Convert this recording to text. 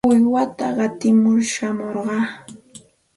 Uywata qatimur shamurqaa.